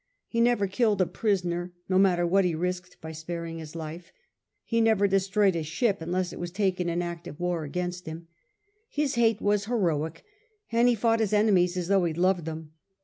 He never killed a prisoner, no matter what he risked by sparing his life. He never destroyed a ship unless it were taken in act of war against him. His hate was heroic, and he fought his enemies as though he loved them.